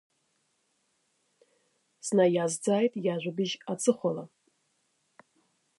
Снаиазҵааит, иажәабжь аҵыхәала.